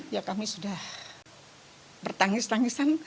ya kami sudah bertangis tangisan